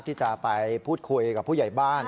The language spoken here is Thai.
ที่จะไปพูดคุยกับผู้ใหญ่บ้าน